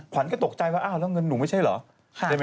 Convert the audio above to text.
ขวัญก็ตกใจว่าอ้าวแล้วเงินหนูไม่ใช่เหรอ